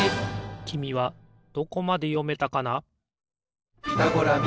きみはどこまでよめたかな？